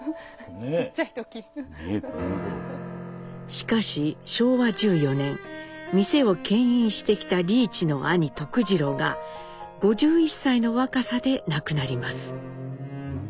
しかし昭和１４年店を牽引してきた利一の兄徳治郎が５１歳の若さで亡くなります。